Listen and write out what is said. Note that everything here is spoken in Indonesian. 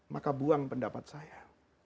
maka buang pendapat saya